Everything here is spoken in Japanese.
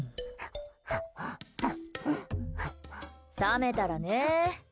冷めたらね。